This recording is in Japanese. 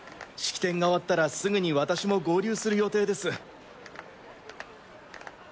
式典が終わったらすぐに私も合流する予定です。